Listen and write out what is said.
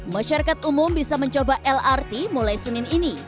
masyarakat umum bisa mencoba lrt mulai senin ini